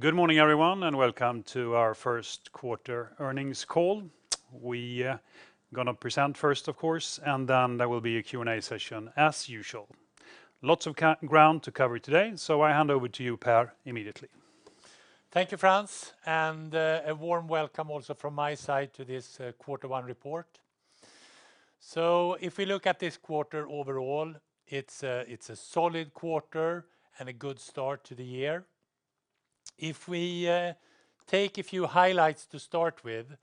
Good morning, everyone. Welcome to our First Quarter Earnings Call. We are going to present first, of course. There will be a Q&A session as usual. Lots of ground to cover today. I hand over to you, Per, immediately. Thank you, Frans, and a warm welcome also from my side to this quarter one report. If we look at this quarter overall, it's a solid quarter and a good start to the year. If we take a few highlights to start with,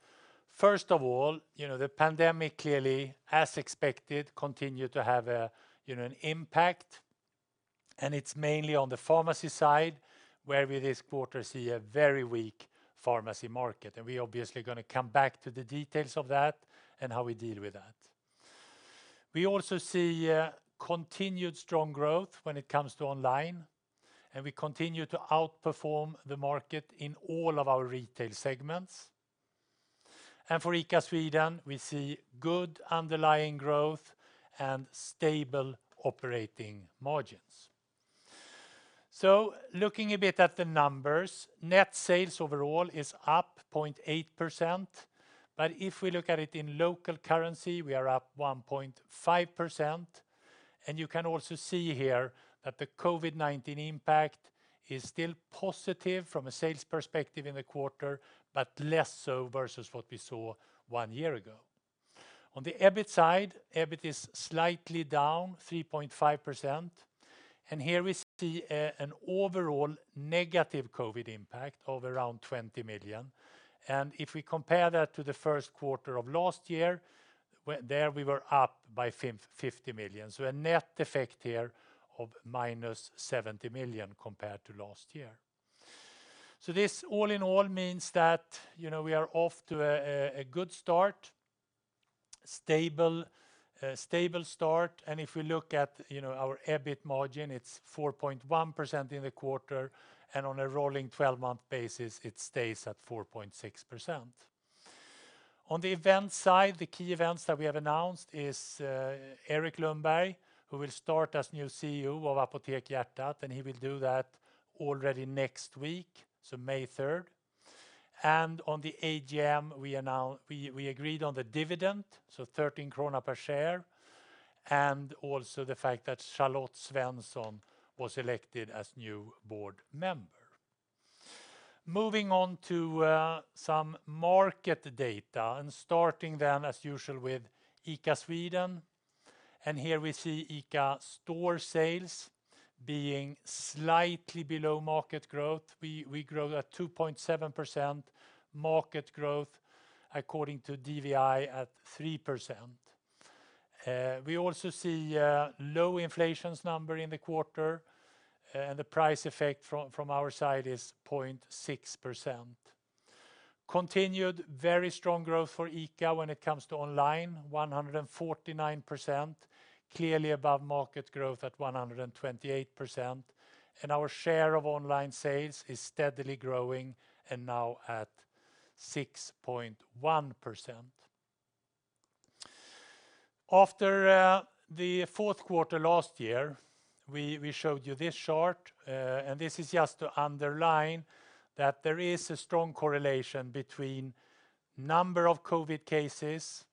first of all, the pandemic clearly, as expected, continued to have an impact, and it's mainly on the pharmacy side, where we this quarter see a very weak pharmacy market. We're obviously going to come back to the details of that and how we deal with that. We also see continued strong growth when it comes to online, and we continue to outperform the market in all of our retail segments. For ICA Sweden, we see good underlying growth and stable operating margins. Looking a bit at the numbers, net sales overall is up 0.8%. If we look at it in local currency, we are up 1.5%. You can also see here that the COVID-19 impact is still positive from a sales perspective in the quarter, but less so versus what we saw one year ago. On the EBIT side, EBIT is slightly down 3.5%. Here we see an overall negative COVID-19 impact of around 20 million. If we compare that to the first quarter of last year, there we were up by 50 million. A net effect here of -70 million compared to last year. This all in all means that we are off to a good start, a stable start. If we look at our EBIT margin, it's 4.1% in the quarter, and on a rolling 12-month basis, it stays at 4.6%. On the event side, the key events that we have announced is Eric Lundberg, who will start as new CEO of Apotek Hjärtat, and he will do that already next week, so May 3rd. On the AGM, we agreed on the dividend, so 13 krona per share, and also the fact that Charlotte Svensson was elected as new board member. Moving on to some market data and starting then as usual with ICA Sweden. Here we see ICA store sales being slightly below market growth. We grow at 2.7% market growth according to DVI at 3%. We also see low inflations number in the quarter, and the price effect from our side is 0.6%. Continued very strong growth for ICA when it comes to online, 149%, clearly above market growth at 128%. Our share of online sales is steadily growing and now at 6.1%. After the fourth quarter last year, we showed you this chart, this is just to underline that there is a strong correlation between number of COVID cases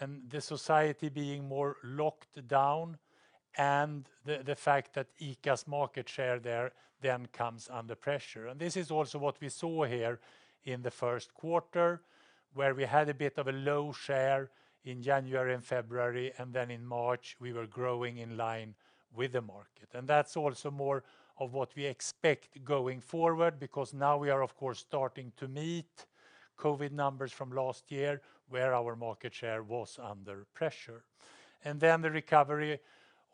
and the society being more locked down and the fact that ICA's market share there then comes under pressure. This is also what we saw here in the first quarter, where we had a bit of a low share in January and February, then in March, we were growing in line with the market. That's also more of what we expect going forward because now we are, of course, starting to meet COVID numbers from last year where our market share was under pressure. Then the recovery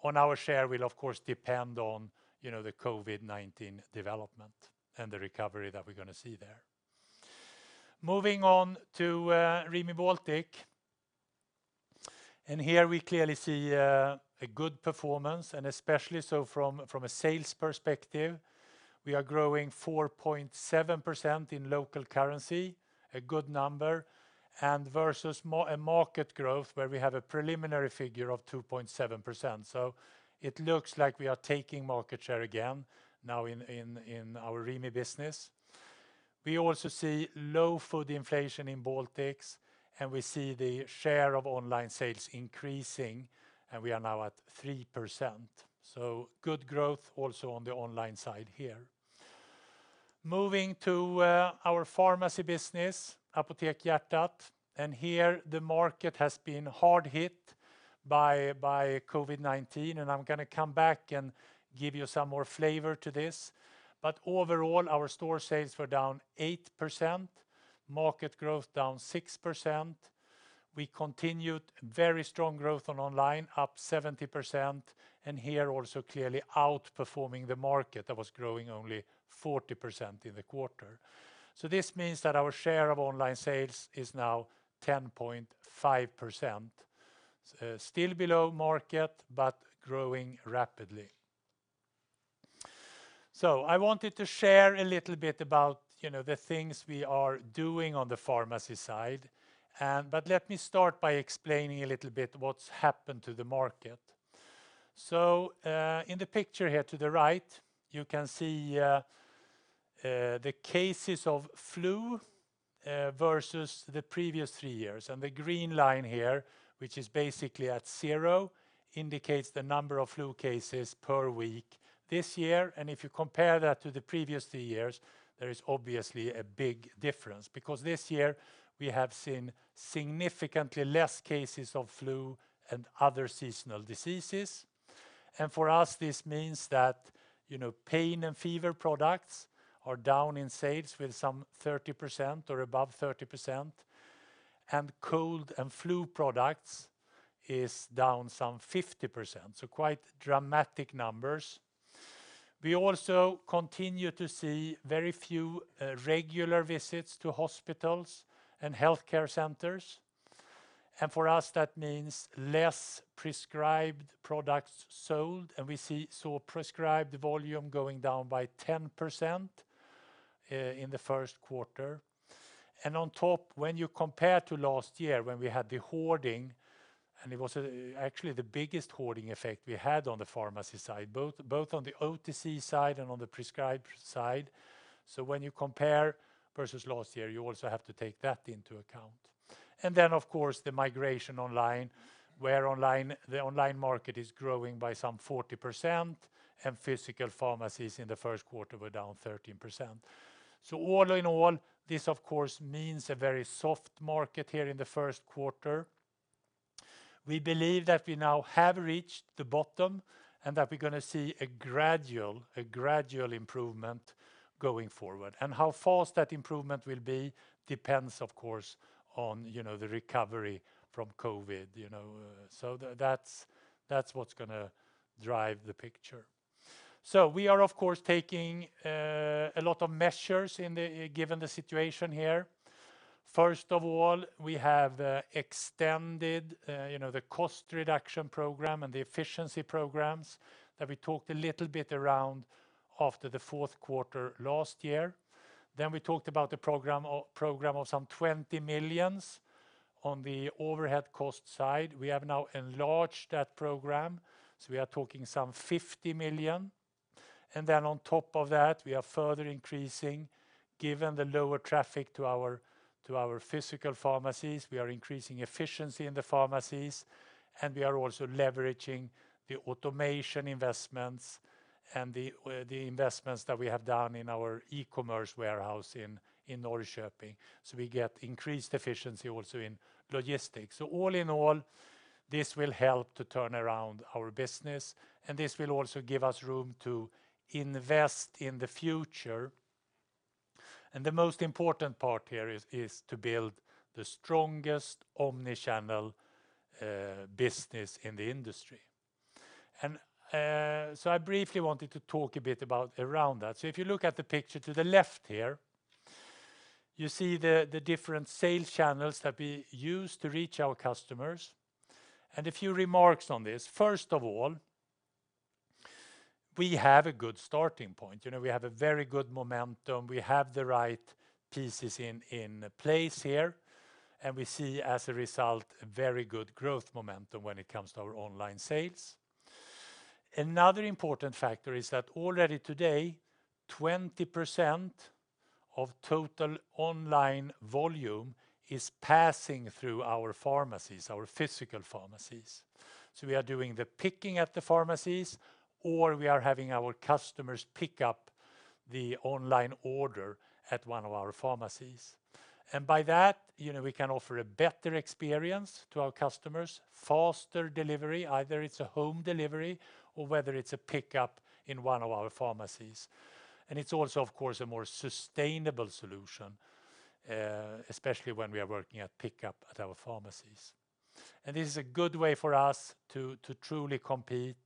on our share will, of course, depend on the COVID-19 development and the recovery that we're going to see there. Moving on to Rimi Baltic. Here we clearly see a good performance, and especially so from a sales perspective. We are growing 4.7% in local currency, a good number, and versus a market growth where we have a preliminary figure of 2.7%. It looks like we are taking market share again now in our Rimi business. We also see low food inflation in Baltics, and we see the share of online sales increasing, and we are now at 3%. Good growth also on the online side here. Moving to our pharmacy business, Apotek Hjärtat. Here the market has been hard hit by COVID-19, and I'm going to come back and give you some more flavor to this. Overall, our store sales were down 8%, market growth down 6%. We continued very strong growth on online, up 70%, and here also clearly outperforming the market that was growing only 40% in the quarter. This means that our share of online sales is now 10.5%, still below market, but growing rapidly. I wanted to share a little bit about the things we are doing on the pharmacy side. Let me start by explaining a little bit what's happened to the market. In the picture here to the right, you can see the cases of flu versus the previous three years. The green line here, which is basically at zero, indicates the number of flu cases per week this year. If you compare that to the previous three years, there is obviously a big difference because this year we have seen significantly less cases of flu and other seasonal diseases. For us this means that pain and fever products are down in sales with some 30% or above 30%, and cold and flu products is down some 50%. Quite dramatic numbers. We also continue to see very few regular visits to hospitals and healthcare centers. For us that means less prescribed products sold, and we see prescribed volume going down by 10% in the first quarter. On top, when you compare to last year when we had the hoarding, and it was actually the biggest hoarding effect we had on the pharmacy side, both on the OTC side and on the prescribed side. When you compare versus last year, you also have to take that into account. Then of course the migration online, where the online market is growing by some 40% and physical pharmacies in the first quarter were down 13%. All in all, this of course means a very soft market here in the first quarter. We believe that we now have reached the bottom and that we're going to see a gradual improvement going forward. How fast that improvement will be depends, of course, on the recovery from COVID. That's what's going to drive the picture. We are, of course, taking a lot of measures given the situation here. First of all, we have extended the cost reduction program and the efficiency programs that we talked a little bit around after the fourth quarter last year. We talked about the program of some 20 million on the overhead cost side. We have now enlarged that program, so we are talking some 50 million. On top of that, we are further increasing, given the lower traffic to our physical pharmacies, we are increasing efficiency in the pharmacies, and we are also leveraging the automation investments and the investments that we have done in our e-commerce warehouse in Norrköping. We get increased efficiency also in logistics. All in all, this will help to turn around our business, and this will also give us room to invest in the future. The most important part here is to build the strongest omni-channel business in the industry. I briefly wanted to talk a bit around that. If you look at the picture to the left here, you see the different sales channels that we use to reach our customers. A few remarks on this. First of all, we have a good starting point. We have a very good momentum. We have the right pieces in place here. We see, as a result, a very good growth momentum when it comes to our online sales. Another important factor is that already today, 20% of total online volume is passing through our pharmacies, our physical pharmacies. We are doing the picking at the pharmacies, or we are having our customers pick up the online order at one of our pharmacies. By that, we can offer a better experience to our customers, faster delivery, either it's a home delivery or whether it's a pickup in one of our pharmacies. It's also, of course, a more sustainable solution, especially when we are working at pickup at our pharmacies. This is a good way for us to truly compete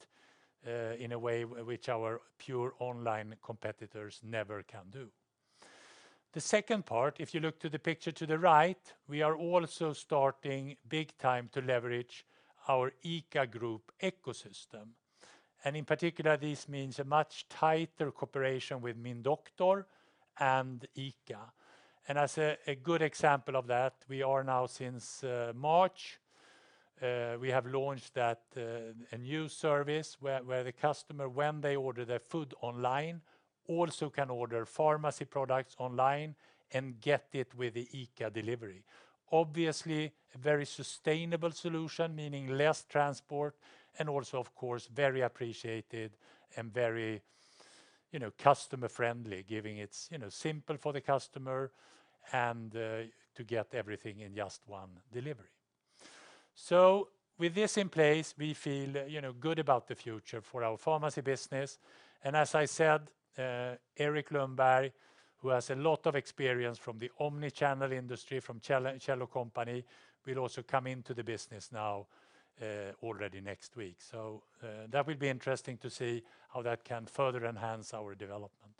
in a way which our pure online competitors never can do. The second part, if you look to the picture to the right, we are also starting big time to leverage our ICA Gruppen ecosystem. In particular, this means a much tighter cooperation with Min Doktor and ICA. As a good example of that, we are now since March, we have launched a new service where the customer, when they order their food online, also can order pharmacy products online and get it with the ICA delivery. Obviously, a very sustainable solution, meaning less transport, and also, of course, very appreciated and very customer friendly, giving it's simple for the customer and to get everything in just one delivery. With this in place, we feel good about the future for our pharmacy business. As I said, Eric Lundberg, who has a lot of experience from the omni-channel industry from Kjell & Company, will also come into the business now already next week. That will be interesting to see how that can further enhance our development.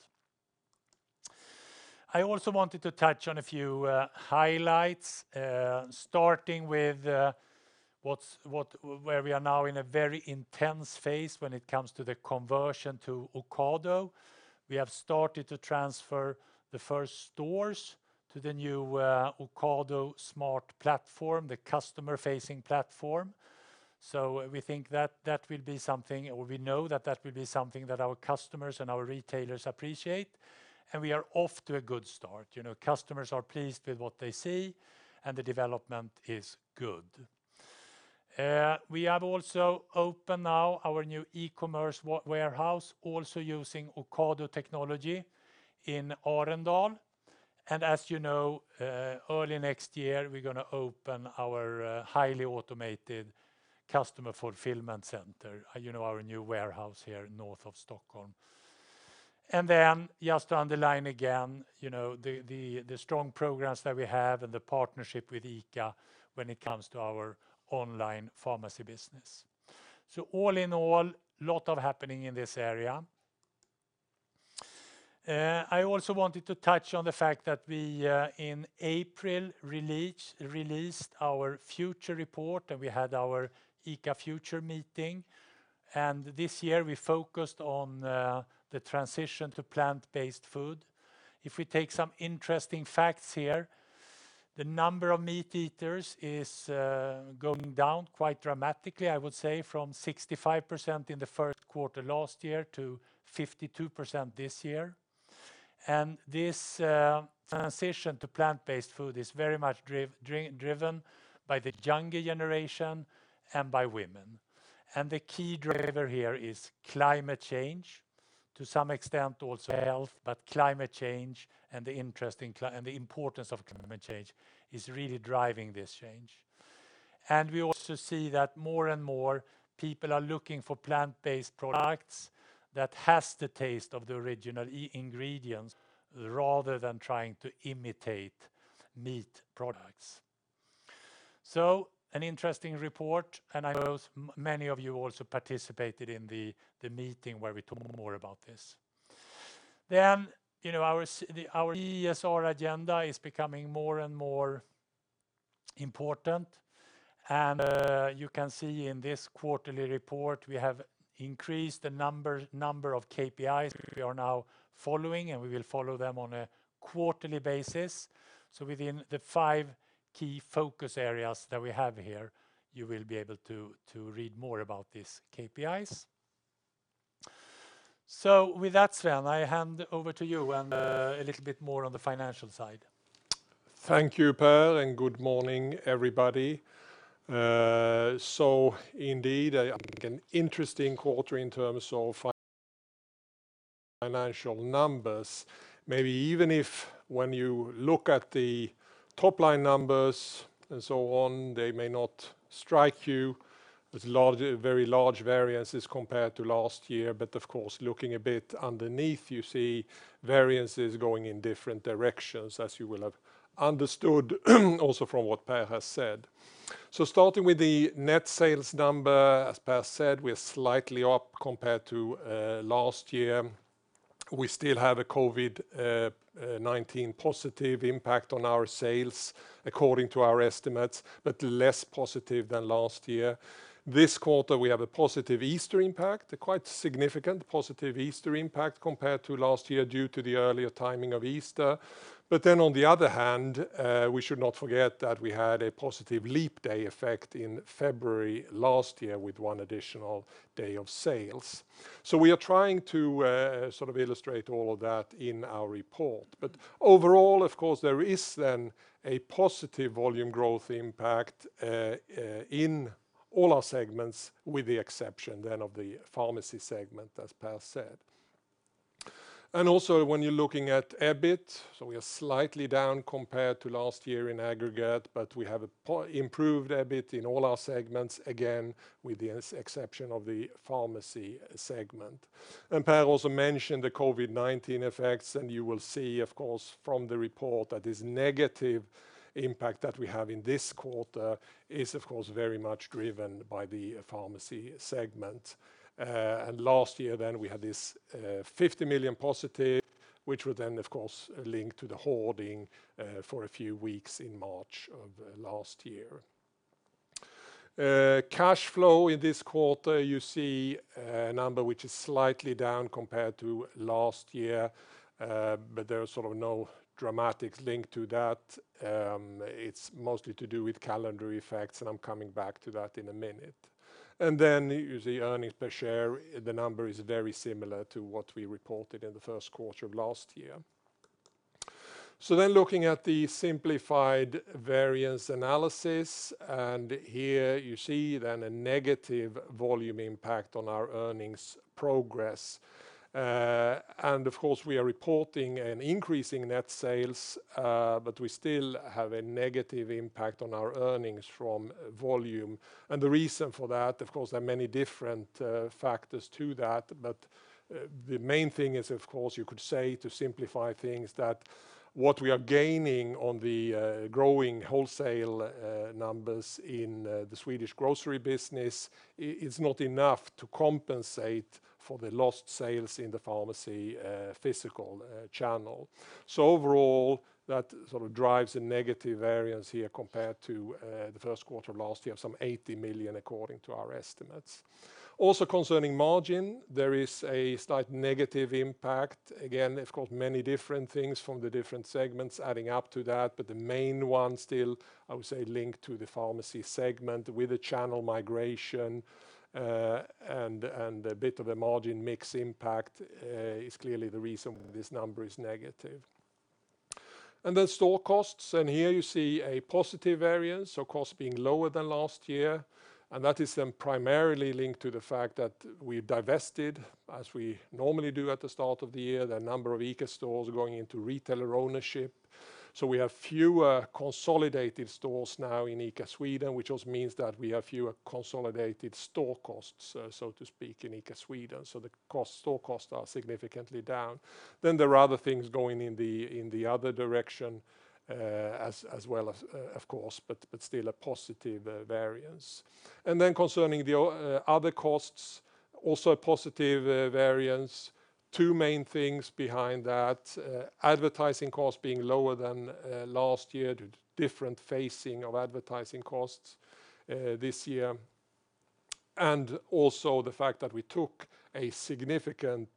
I also wanted to touch on a few highlights, starting with where we are now in a very intense phase when it comes to the conversion to Ocado. We have started to transfer the first stores to the new Ocado Smart Platform, the customer-facing platform. We think that will be something, or we know that will be something that our customers and our retailers appreciate, and we are off to a good start. Customers are pleased with what they see and the development is good. We have also opened now our new e-commerce warehouse, also using Ocado technology in Arendal. As you know, early next year, we're going to open our highly automated customer fulfillment center, our new warehouse here north of Stockholm. Then just to underline again the strong programs that we have and the partnership with ICA when it comes to our online pharmacy business. All in all, a lot happening in this area. I also wanted to touch on the fact that we, in April, released our future report, and we had our ICA Future meeting, and this year we focused on the transition to plant-based food. If we take some interesting facts here, the number of meat eaters is going down quite dramatically, I would say, from 65% in the first quarter last year to 52% this year. This transition to plant-based food is very much driven by the younger generation and by women. The key driver here is climate change, to some extent also health, but climate change and the importance of climate change is really driving this change. We also see that more and more people are looking for plant-based products that have the taste of the original ingredients rather than trying to imitate meat products. An interesting report, and I know many of you also participated in the meeting where we talked more about this. Our ESG agenda is becoming more and more important, and you can see in this quarterly report, we have increased the number of KPIs that we are now following, and we will follow them on a quarterly basis. Within the five key focus areas that we have here, you will be able to read more about these KPIs. With that, Sven, I hand over to you and a little bit more on the financial side. Thank you, Per, and good morning, everybody. Indeed, I think an interesting quarter in terms of financial numbers. Maybe even if when you look at the top-line numbers and so on, they may not strike you with very large variances compared to last year. Of course, looking a bit underneath, you see variances going in different directions, as you will have understood also from what Per has said. Starting with the net sales number, as Per said, we're slightly up compared to last year. We still have a COVID-19 positive impact on our sales according to our estimates, but less positive than last year. This quarter, we have a positive Easter impact, a quite significant positive Easter impact compared to last year due to the earlier timing of Easter. We should not forget that we had a positive leap day effect in February last year with one additional day of sales. We are trying to illustrate all of that in our report. Overall, of course, there is then a positive volume growth impact in all our segments with the exception then of the pharmacy segment, as Per said. Also when you're looking at EBIT, so we are slightly down compared to last year in aggregate, but we have improved a bit in all our segments, again, with the exception of the pharmacy segment. Per also mentioned the COVID-19 effects, and you will see, of course, from the report that this negative impact that we have in this quarter is, of course, very much driven by the pharmacy segment. Last year then we had this 50 million positive, which would then, of course, link to the hoarding for a few weeks in March of last year. Cash flow in this quarter, you see a number which is slightly down compared to last year, but there's no dramatic link to that. It's mostly to do with calendar effects, and I'm coming back to that in a minute. You see earnings per share. The number is very similar to what we reported in the first quarter of last year. Looking at the simplified variance analysis, and here you see then a negative volume impact on our earnings progress. Of course, we are reporting an increase in net sales, but we still have a negative impact on our earnings from volume. The reason for that, of course, there are many different factors to that, but the main thing is, of course, you could say to simplify things, that what we are gaining on the growing wholesale numbers in the Swedish grocery business is not enough to compensate for the lost sales in the pharmacy physical channel. Overall, that drives a negative variance here compared to the first quarter last year of some 80 million according to our estimates. Concerning margin, there is a slight negative impact. Again, of course, many different things from the different segments adding up to that, but the main one still, I would say, linked to the pharmacy segment with the channel migration, and a bit of a margin mix impact is clearly the reason this number is negative. Then store costs. Here you see a positive variance, so costs being lower than last year. That is then primarily linked to the fact that we divested, as we normally do at the start of the year, the number of ICA stores going into retailer ownership. We have fewer consolidative stores now in ICA Sweden, which also means that we have fewer consolidated store costs, so to speak, in ICA Sweden. The store costs are significantly down. Then there are other things going in the other direction as well, of course, but still a positive variance. Then concerning the other costs, also a positive variance. Two main things behind that: advertising costs being lower than last year due to different phasing of advertising costs this year, and also the fact that we took a significant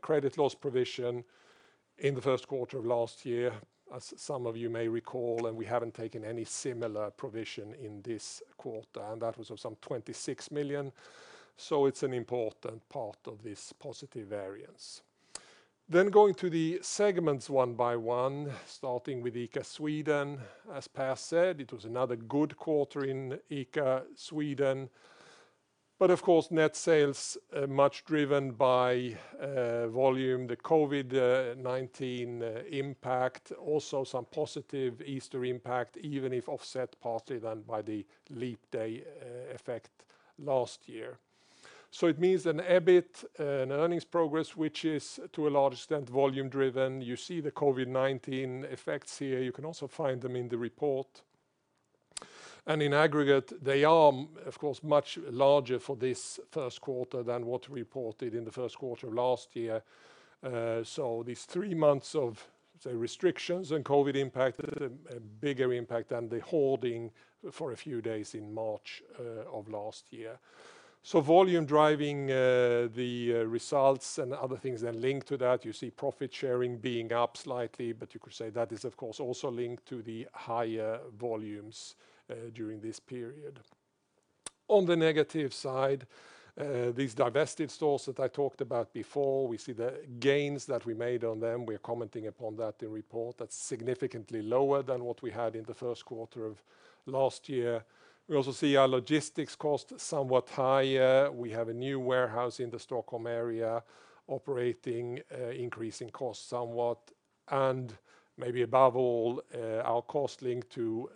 credit loss provision in the first quarter of last year, as some of you may recall, and we haven't taken any similar provision in this quarter. That was of some 26 million, so it is an important part of this positive areas. Going to the segments one by one, starting with ICA Sweden. As Per said, it was another good quarter in ICA Sweden, but of course, net sales much driven by volume, the COVID-19 impact, also some positive Easter impact, even if offset partly then by the leap day effect last year. It means an EBIT and earnings progress, which is to a large extent volume driven. You see the COVID-19 effects here. You can also find them in the report. In aggregate, they are, of course, much larger for this first quarter than what we reported in the first quarter of last year. These three months of, say, restrictions and COVID-19 impact had a bigger impact than the hoarding for a few days in March of last year. Volume driving the results and other things then linked to that. You see profit sharing being up slightly, but you could say that is, of course, also linked to the higher volumes during this period. On the negative side, these divested stores that I talked about before, we see the gains that we made on them. We're commenting upon that in report. That's significantly lower than what we had in the first quarter of last year. We also see our logistics cost somewhat higher. We have a new warehouse in the Stockholm area operating, increasing costs somewhat. Maybe above all, our cost linked to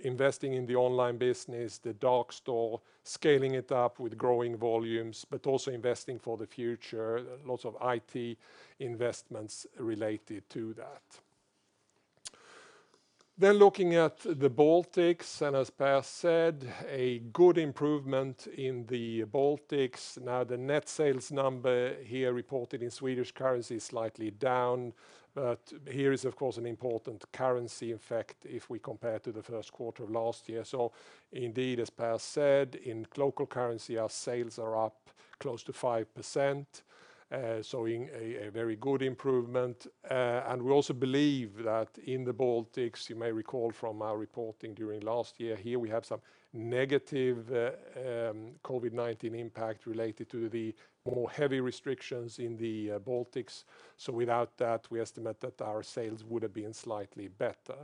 investing in the online business, the dark store, scaling it up with growing volumes, but also investing for the future. Lots of IT investments related to that. Looking at the Baltics, as Per said, a good improvement in the Baltics. The net sales number here reported in Swedish currency is slightly down. Here is, of course, an important currency effect if we compare to the first quarter of last year. Indeed, as Per said, in local currency, our sales are up close to 5%, showing a very good improvement. We also believe that in the Baltics, you may recall from our reporting during last year here, we have some negative COVID-19 impact related to the more heavy restrictions in the Baltics. Without that, we estimate that our sales would have been slightly better.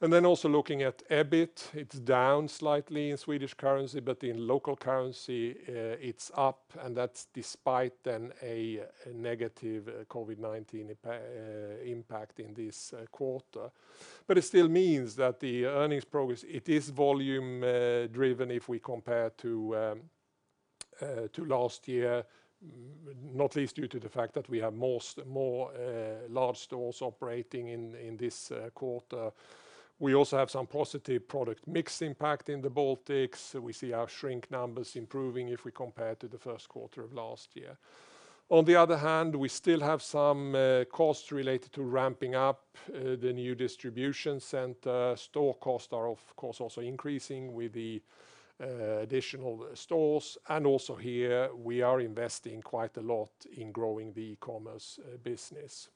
Then also looking at EBIT, it's down slightly in Swedish currency, but in local currency, it's up, and that's despite then a negative COVID-19 impact in this quarter. It still means that the earnings progress, it is volume driven if we compare to last year, not least due to the fact that we have more large stores operating in this quarter. We also have some positive product mix impact in the Baltics. We see our shrink numbers improving if we compare to the first quarter of last year. On the other hand, we still have some costs related to ramping up the new distribution center. Store costs are, of course, also increasing with the additional stores. Also here, we are investing quite a lot in growing the e-commerce business.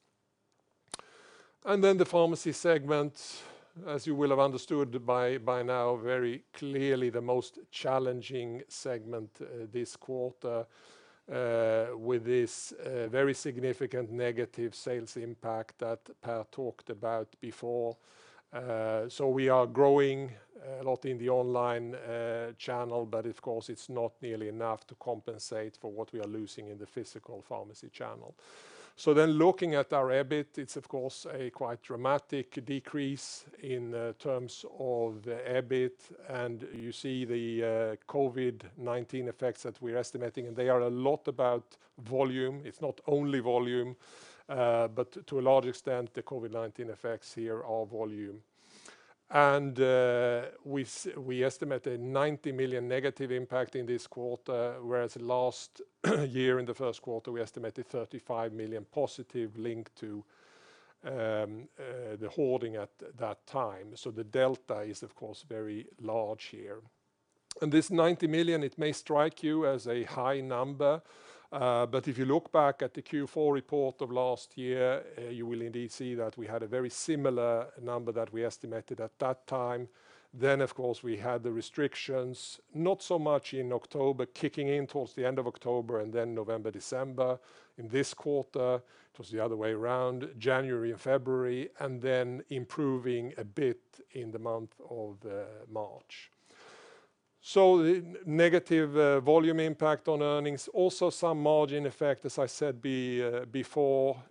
The pharmacy segment, as you will have understood by now, very clearly the most challenging segment this quarter with this very significant negative sales impact that Per talked about before. We are growing a lot in the online channel, but of course, it's not nearly enough to compensate for what we are losing in the physical pharmacy channel. Looking at our EBIT, it's of course a quite dramatic decrease in terms of EBIT, and you see the COVID-19 effects that we're estimating, and they are a lot about volume. It's not only volume, but to a large extent, the COVID-19 effects here are volume. We estimate a 90 million negative impact in this quarter, whereas last year in the first quarter, we estimated 35 million positive linked to the hoarding at that time. The delta is, of course, very large here. This 90 million, it may strike you as a high number, but if you look back at the Q4 report of last year, you will indeed see that we had a very similar number that we estimated at that time. Of course, we had the restrictions, not so much in October, kicking in towards the end of October and then November, December. In this quarter, it was the other way around, January and February, and then improving a bit in the month of March. The negative volume impact on earnings, also some margin effect, as I said before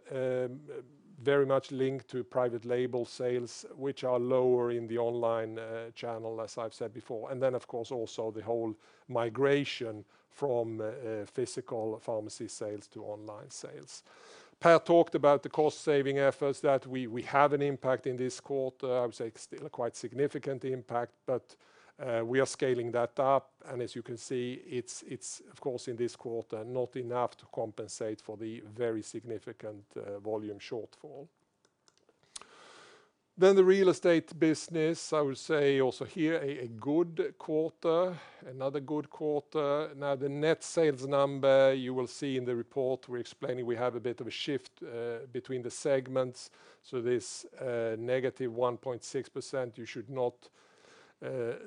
very much linked to private label sales, which are lower in the online channel, as I’ve said before. Of course, also the whole migration from physical pharmacy sales to online sales. Per talked about the cost-saving efforts that we have an impact in this quarter. I would say it's still a quite significant impact, but we are scaling that up. As you can see, it's of course in this quarter, not enough to compensate for the very significant volume shortfall. The real estate business, I would say also here, a good quarter, another good quarter. The net sales number you will see in the report, we're explaining we have a bit of a shift between the segments. This negative 1.6%, you should not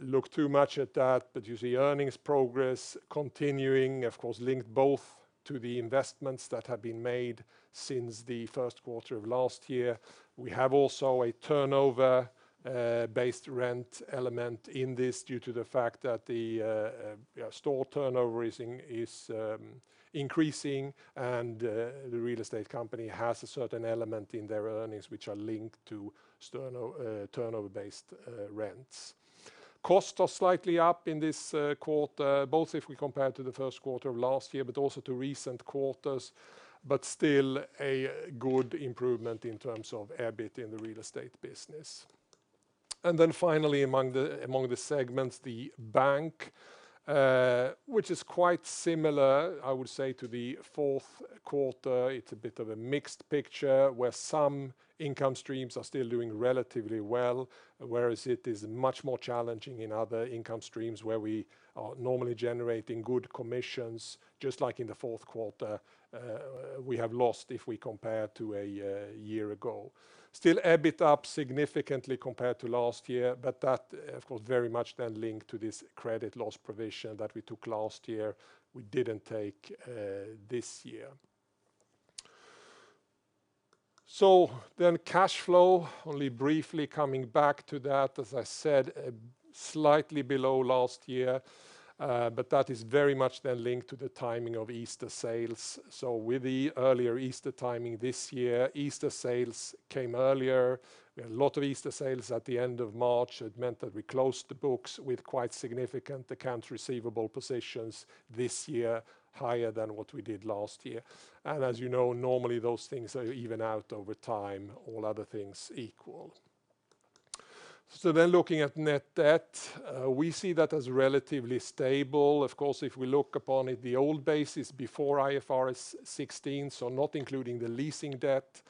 look too much at that. You see earnings progress continuing, of course, linked both to the investments that have been made since the first quarter of last year. We have also a turnover-based rent element in this due to the fact that the store turnover is increasing and the real estate company has a certain element in their earnings, which are linked to turnover-based rents. Costs are slightly up in this quarter, if we compare to the first quarter of last year, also to recent quarters, but still a good improvement in terms of EBIT in the real estate business. Finally among the segments, the bank, which is quite similar, I would say, to the fourth quarter. It's a bit of a mixed picture where some income streams are still doing relatively well, whereas it is much more challenging in other income streams where we are normally generating good commissions, just like in the fourth quarter, we have lost if we compare to a year ago. Still EBIT up significantly compared to last year, that, of course, very much then linked to this credit loss provision that we took last year, we didn't take this year. Cash flow, only briefly coming back to that, as I said, slightly below last year but that is very much then linked to the timing of Easter sales. With the earlier Easter timing this year, Easter sales came earlier. We had a lot of Easter sales at the end of March. It meant that we closed the books with quite significant accounts receivable positions this year, higher than what we did last year. As you know, normally those things even out over time, all other things equal. Looking at net debt, we see that as relatively stable. Of course, if we look upon it, the old basis before IFRS 16, not including the leasing debt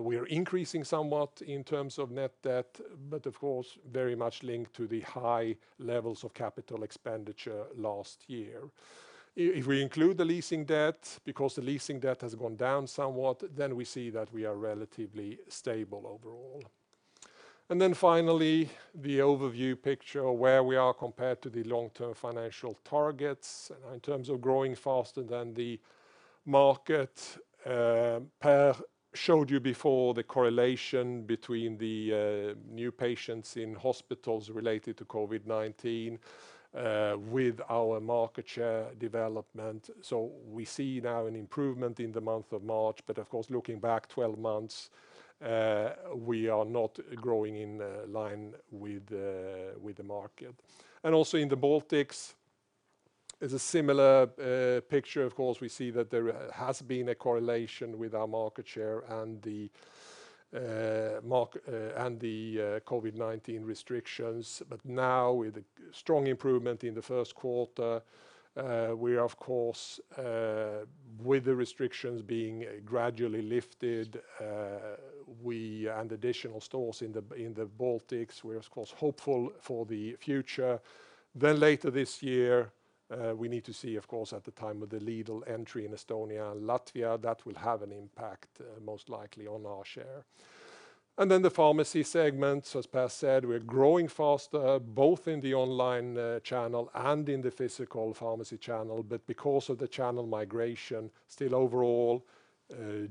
we are increasing somewhat in terms of net debt but of course, very much linked to the high levels of capital expenditure last year. If we include the leasing debt, because the leasing debt has gone down somewhat, we see that we are relatively stable overall. Finally, the overview picture where we are compared to the long-term financial targets in terms of growing faster than the market. Per showed you before the correlation between the new patients in hospitals related to COVID-19 with our market share development. We see now an improvement in the month of March. Of course, looking back 12 months we are not growing in line with the market. Also in the Baltics, it's a similar picture, of course, we see that there has been a correlation with our market share and the COVID-19 restrictions. Now with a strong improvement in the first quarter, we of course with the restrictions being gradually lifted and additional stores in the Baltics, we're of course hopeful for the future. Later this year, we need to see, of course, at the time of the Lidl entry in Estonia and Latvia, that will have an impact, most likely on our share. The pharmacy segment, as Per said, we're growing faster both in the online channel and in the physical pharmacy channel. Because of the channel migration, still overall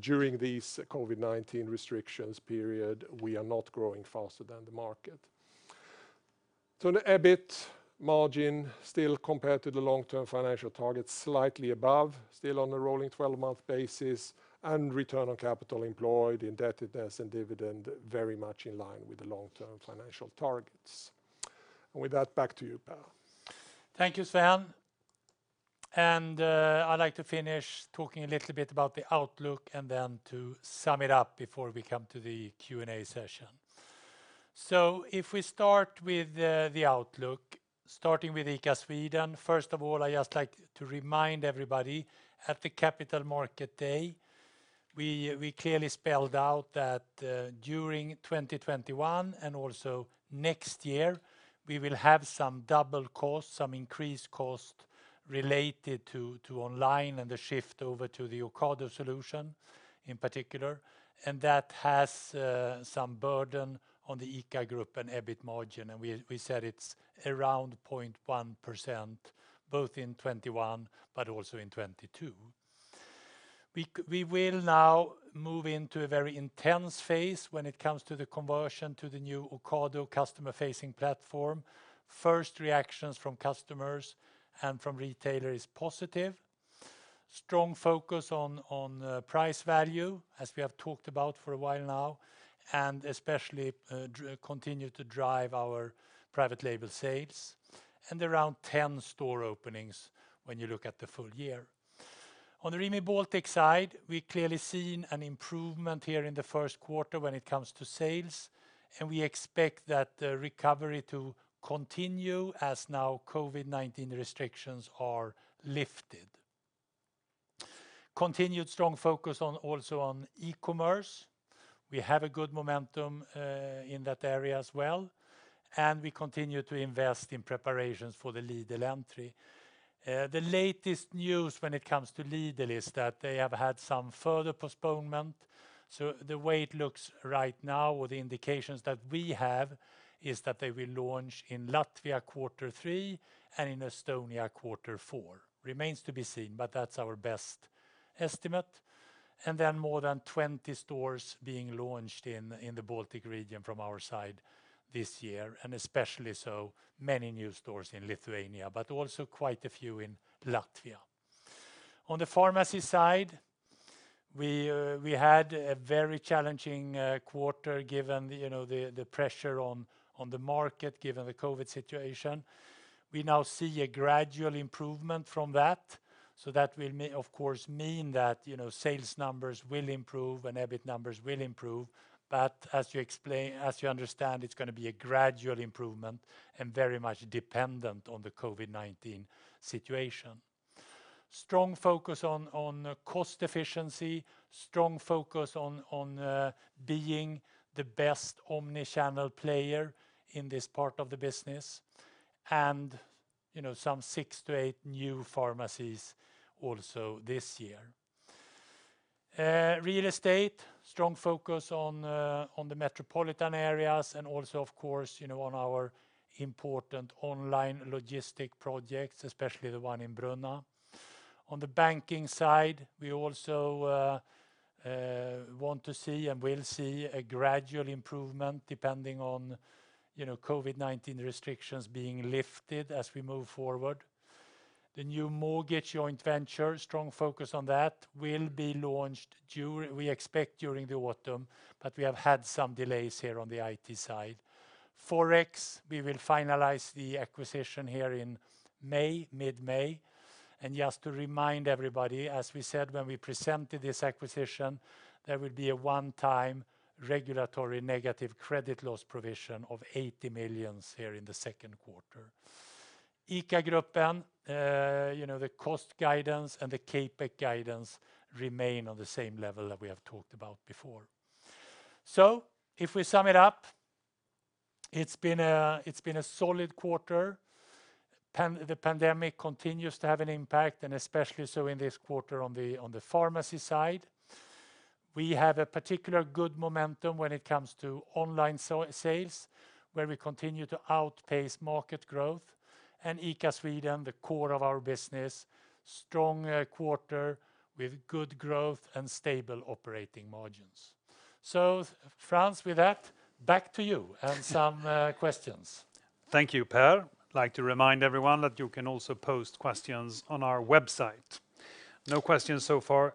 during these COVID-19 restrictions period, we are not growing faster than the market. The EBIT margin still compared to the long-term financial target, slightly above, still on a rolling 12-month basis, and return on capital employed, indebtedness, and dividend very much in line with the long-term financial targets. With that, back to you, Per. Thank you, Sven. I'd like to finish talking a little bit about the outlook and then to sum it up before we come to the Q&A session. If we start with the outlook, starting with ICA Sweden, first of all, I'd just like to remind everybody at the Capital Markets Day, we clearly spelled out that during 2021 and also next year, we will have some double costs, some increased costs related to online and the shift over to the Ocado solution in particular. That has some burden on the ICA Gruppen EBIT margin. We said it's around 0.1% both in 2021 but also in 2022. We will now move into a very intense phase when it comes to the conversion to the new Ocado customer-facing platform. First reactions from customers and from retailer is positive. Strong focus on price value, as we have talked about for a while now, and especially continue to drive our private label sales, and around 10 store openings when you look at the full year. On the Rimi Baltic side, we've clearly seen an improvement here in the first quarter when it comes to sales, and we expect that recovery to continue as now COVID-19 restrictions are lifted. Continued strong focus also on e-commerce. We have a good momentum in that area as well, and we continue to invest in preparations for the Lidl entry. The latest news when it comes to Lidl is that they have had some further postponement. The way it looks right now, or the indications that we have, is that they will launch in Latvia quarter three and in Estonia quarter four. Remains to be seen, but that's our best estimate. More than 20 stores being launched in the Baltic region from our side this year, and especially so many new stores in Lithuania, but also quite a few in Latvia. On the pharmacy side, we had a very challenging quarter given the pressure on the market, given the COVID situation. We now see a gradual improvement from that. That will of course mean that sales numbers will improve and EBIT numbers will improve. As you understand, it is going to be a gradual improvement and very much dependent on the COVID-19 situation. Strong focus on cost efficiency, strong focus on being the best omni-channel player in this part of the business, and some six to eight new pharmacies also this year. Real estate, strong focus on the metropolitan areas and also, of course, on our important online logistic projects, especially the one in Brunna. On the banking side, we also want to see and will see a gradual improvement depending on COVID-19 restrictions being lifted as we move forward. The new mortgage joint venture, strong focus on that, will be launched, we expect, during the autumn. We have had some delays here on the IT side. Forex, we will finalize the acquisition here in mid-May. Just to remind everybody, as we said when we presented this acquisition, there will be a one-time regulatory negative credit loss provision of 80 million here in the second quarter. ICA Gruppen, the cost guidance and the CapEx guidance remain on the same level that we have talked about before. If we sum it up, it's been a solid quarter. The pandemic continues to have an impact, especially so in this quarter on the pharmacy side. We have a particular good momentum when it comes to online sales, where we continue to outpace market growth. ICA Sweden, the core of our business, strong quarter with good growth and stable operating margins. Frans, with that, back to you and some questions. Thank you, Per. I'd like to remind everyone that you can also post questions on our website. No questions so far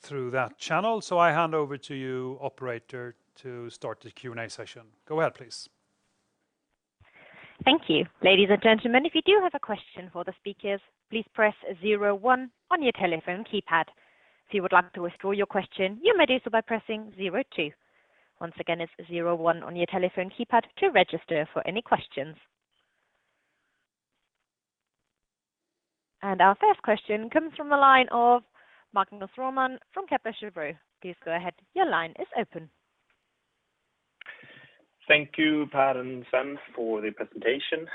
through that channel, so I hand over to you, operator, to start the Q&A session. Go ahead, please. Thank you. Ladies and gentlemen, if you do have a question for the speakers, please press zero one on your telephone keypad. If you would like to withdraw your question, you may do so by pressing zero two. Once again, it's zero one on your telephone keypad to register for any questions. Our first question comes from the line of Magnus Råman from Kepler Cheuvreux. Please go ahead. Your line is open. Thank you, Per and Frans, for the presentation.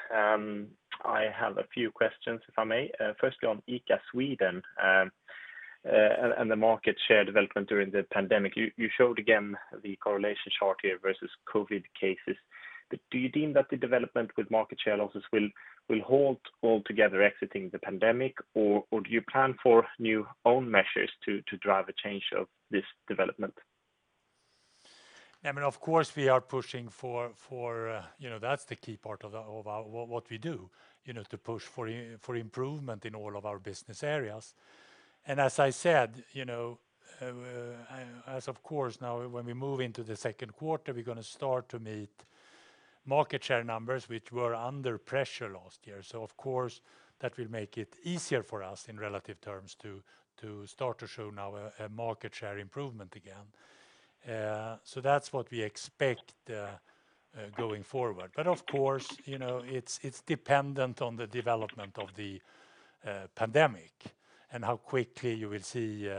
I have a few questions, if I may. Firstly, on ICA Sweden and the market share development during the pandemic. You showed again the correlation chart here versus COVID cases. Do you deem that the development with market share losses will halt altogether exiting the pandemic, or do you plan for new own measures to drive a change of this development? That's the key part of what we do, to push for improvement in all of our business areas. As I said, as of course now when we move into the second quarter, we're going to start to meet market share numbers which were under pressure last year. Of course, that will make it easier for us in relative terms to start to show now a market share improvement again. That's what we expect going forward. Of course, it's dependent on the development of the pandemic and how quickly you will see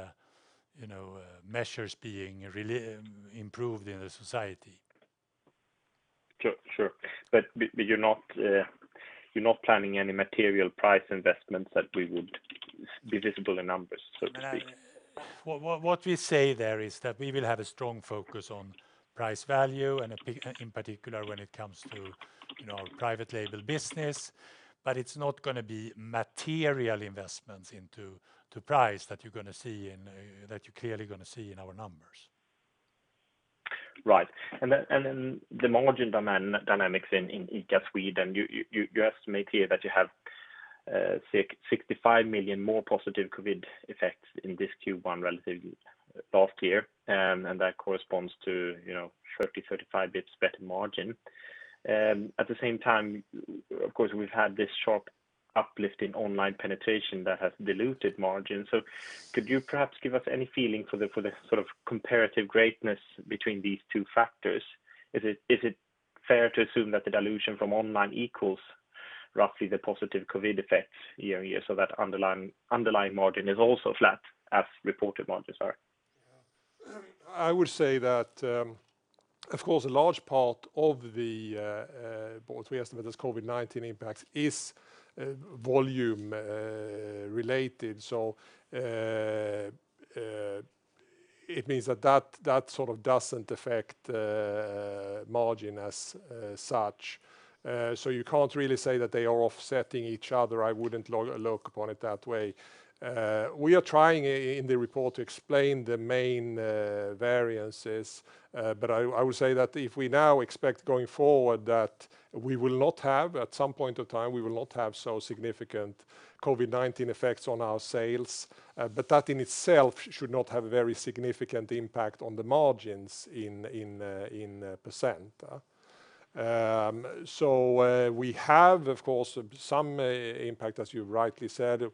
measures being improved in the society. Sure. You're not planning any material price investments that would be visible in numbers, so to speak? What we say there is that we will have a strong focus on price value and in particular when it comes to private label business, but it's not going to be material investments into price that you're clearly going to see in our numbers. Right. The margin demand dynamics in ICA Sweden, you estimate here that you have 65 million more positive COVID effects in this Q1 relative last year, and that corresponds to 30, 35 basis points better margin. At the same time, of course, we've had this sharp uplift in online penetration that has diluted margins. Could you perhaps give us any feeling for the comparative greatness between these two factors? Is it fair to assume that the dilution from online equals roughly the positive COVID effects year-on-year, so that underlying margin is also flat as reported margins are? I would say that, of course, a large part of what we estimate as COVID-19 impacts is volume related. It means that sort of doesn't affect margin as such. You can't really say that they are offsetting each other. I wouldn't look upon it that way. We are trying in the report to explain the main variances. I would say that if we now expect going forward that we will not have, at some point of time, we will not have so significant COVID-19 effects on our sales. That in itself should not have a very significant impact on the margins in percent. We have, of course, some impact, as you rightly said.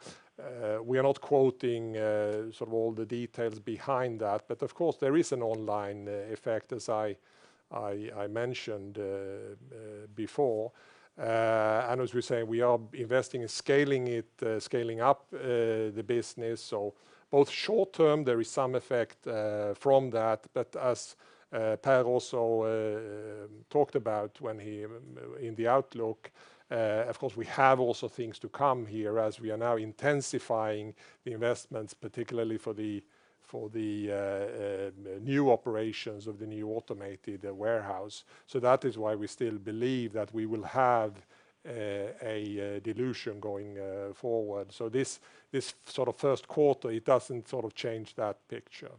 We are not quoting all the details behind that, but of course, there is an online effect as I mentioned before. As we say, we are investing in scaling up the business. Both short term, there is some effect from that, but as Per also talked about in the outlook, of course, we have also things to come here as we are now intensifying the investments, particularly for the new operations of the new automated warehouse. That is why we still believe that we will have a dilution going forward. This first quarter, it doesn't change that picture.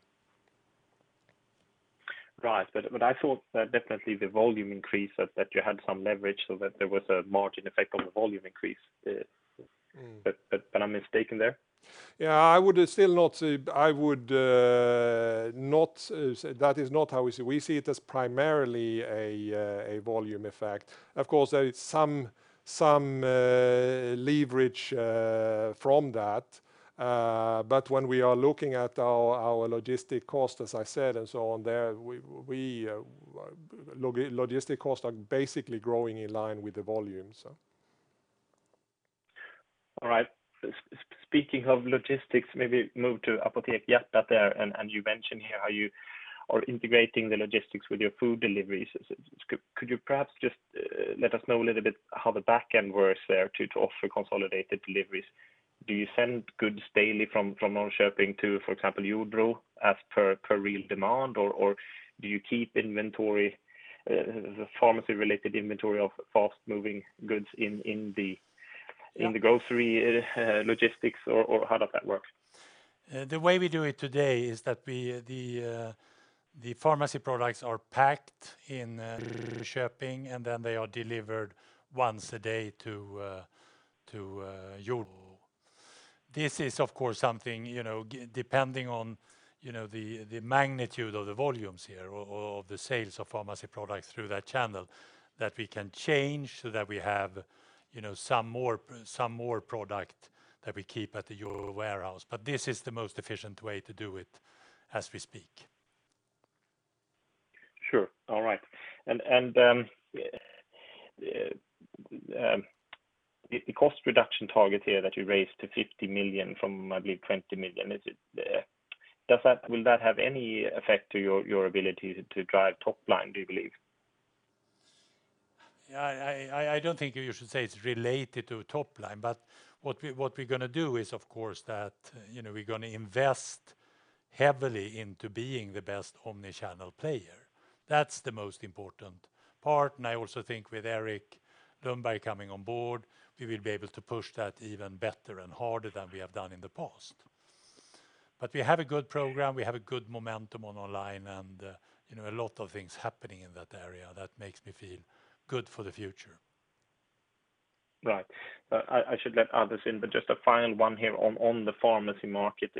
Right. I thought that definitely the volume increase, that you had some leverage so that there was a margin effect on the volume increase. I'm mistaken there? Yeah, that is not how we see. We see it as primarily a volume effect. Of course, there is some leverage from that. When we are looking at our logistic cost, as I said, and so on, logistic costs are basically growing in line with the volume. All right. Speaking of logistics, maybe move to Apotek Hjärtat there, and you mentioned here how you are integrating the logistics with your food deliveries. Could you perhaps just let us know a little bit how the back end works there to offer consolidated deliveries? Do you send goods daily from Norrköping to, for example, Jordbro as per real demand, or do you keep pharmacy-related inventory of fast-moving goods in the grocery logistics, or how does that work? The way we do it today is that the pharmacy products are packed in Norrköping, and then they are delivered once a day to Jordbro. This is, of course, something, depending on the magnitude of the volumes here or of the sales of pharmacy products through that channel, that we can change so that we have some more product that we keep at the Jordbro warehouse. This is the most efficient way to do it as we speak. Sure. All right. The cost reduction target here that you raised to 50 million from, I believe, 20 million, will that have any effect to your ability to drive top line, do you believe? I don't think you should say it's related to top line, what we're going to do is, of course, that we're going to invest heavily into being the best omni-channel player. That's the most important part. I also think with Eric Lundberg coming on board, we will be able to push that even better and harder than we have done in the past. We have a good program, we have a good momentum on online and a lot of things happening in that area that makes me feel good for the future. Right. I should let others in, but just a final one here on the pharmacy market.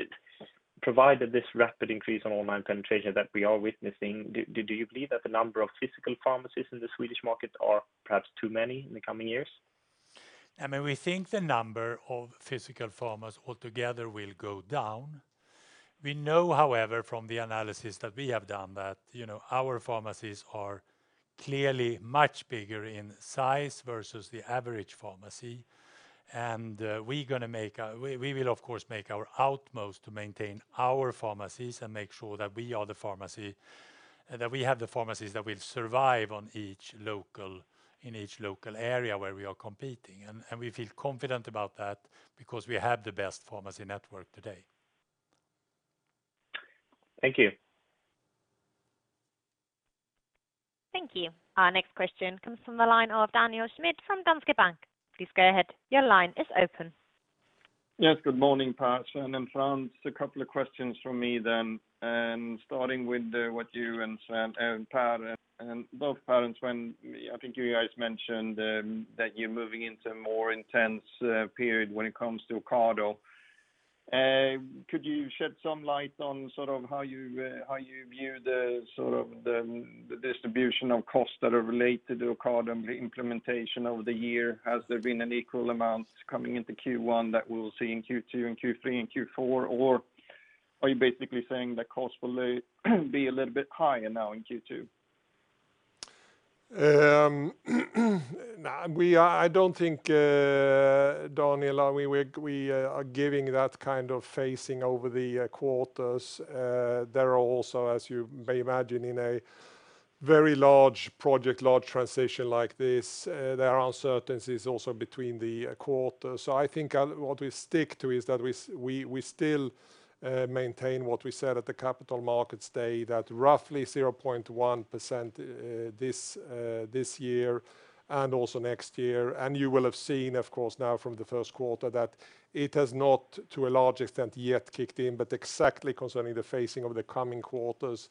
Provided this rapid increase on online penetration that we are witnessing, do you believe that the number of physical pharmacies in the Swedish market are perhaps too many in the coming years? We think the number of physical pharmacies altogether will go down. We know, however, from the analysis that we have done that our pharmacies are clearly much bigger in size versus the average pharmacy. We will of course make our utmost to maintain our pharmacies and make sure that we have the pharmacies that will survive in each local area where we are competing. We feel confident about that because we have the best pharmacy network today. Thank you. Thank you. Our next question comes from the line of Daniel Schmidt from Danske Bank. Please go ahead. Your line is open. Yes. Good morning, Per and Sven and Frans. A couple of questions from me. Starting with you and Sven. You guys mentioned that you're moving into a more intense period when it comes to Ocado. Could you shed some light on how you view the distribution of costs that are related to Ocado and the implementation over the year? Has there been an equal amount coming into Q1 that we'll see in Q2 and Q3 and Q4, or are you basically saying the cost will be a little bit higher now in Q2? I don't think, Daniel, we are giving that kind of phasing over the quarters. There are also, as you may imagine, in a very large project, large transition like this, there are uncertainties also between the quarters. I think what we stick to is that we still maintain what we said at the Capital Markets Day, that roughly 0.1% this year and also next year. You will have seen, of course, now from the first quarter that it has not, to a large extent, yet kicked in, but exactly concerning the phasing over the coming quarters,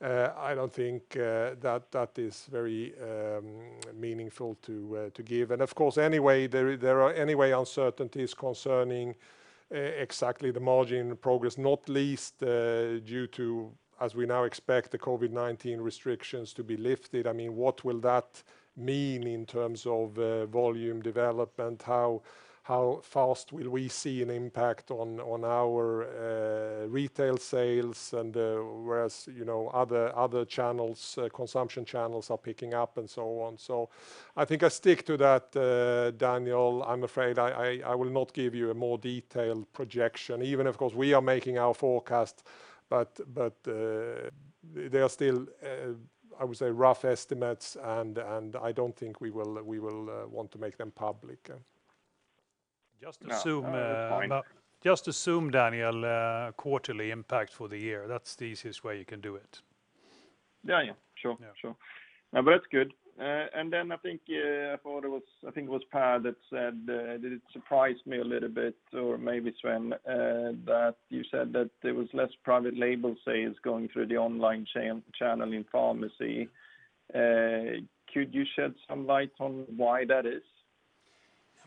I don't think that is very meaningful to give. Of course, there are anyway uncertainties concerning exactly the margin progress, not least due to, as we now expect the COVID-19 restrictions to be lifted. What will that mean in terms of volume development? How fast will we see an impact on our retail sales and whereas other consumption channels are picking up and so on. I think I stick to that, Daniel. I'm afraid I will not give you a more detailed projection even, of course, we are making our forecast, but they are still, I would say, rough estimates and I don't think we will want to make them public. Just assume- No, fine. Just assume, Daniel, quarterly impact for the year. That's the easiest way you can do it. Yeah. Sure. Yeah. Sure. No, that's good. I think it was Per that said, it surprised me a little bit, or maybe Sven, that you said that there was less private label sales going through the online channel in pharmacy. Could you shed some light on why that is?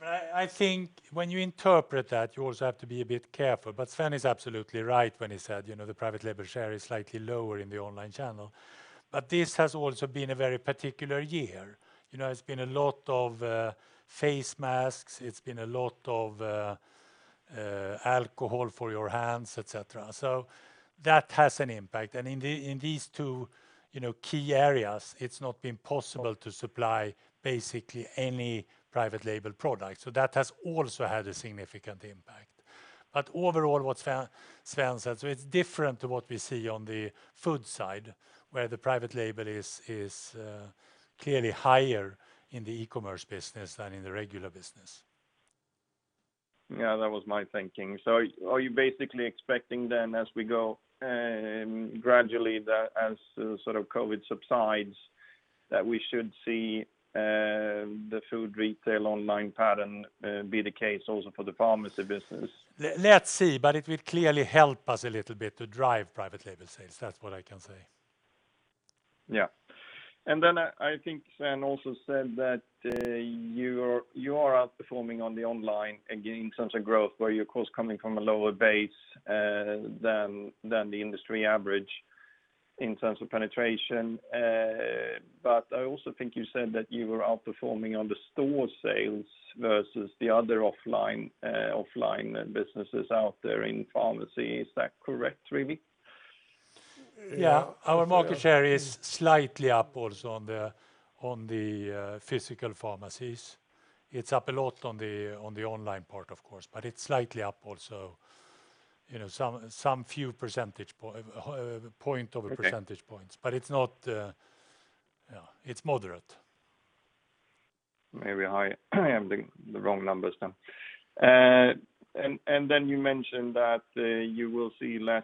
I think when you interpret that, you also have to be a bit careful, Sven is absolutely right when he said the private label share is slightly lower in the online channel. This has also been a very particular year. It's been a lot of face masks, it's been a lot of alcohol for your hands, et cetera. That has an impact. In these two key areas, it's not been possible to supply basically any private label product. That has also had a significant impact. Overall, what Sven said, so it's different to what we see on the food side, where the private label is clearly higher in the e-commerce business than in the regular business. Yeah, that was my thinking. Are you basically expecting then, as we go gradually, that as COVID subsides, that we should see the food retail online pattern be the case also for the pharmacy business? Let's see, it will clearly help us a little bit to drive private label sales. That's what I can say. Yeah. I think Sven also said that you are outperforming on the online in terms of growth where you're, of course, coming from a lower base than the industry average in terms of penetration. I also think you said that you were outperforming on the store sales versus the other offline businesses out there in pharmacy. Is that correct, really? Yeah. Our market share is slightly up also on the physical pharmacies. It's up a lot on the online part, of course, but it's slightly up also. Some few of a percentage point. Okay Points. It's moderate. Maybe I have the wrong numbers then. You mentioned that you will see less